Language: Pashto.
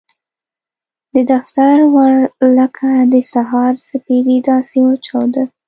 د دفتر ور لکه د سهار سپېدې داسې وچاوده.